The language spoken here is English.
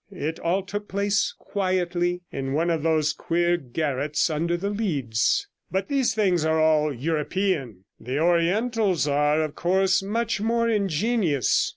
It all took place quietly, in one of those queer garrets under the leads. But these things are all European; the Orientals are, of course, much more ingenious.